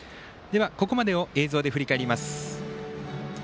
ここまでを映像で振り返ります。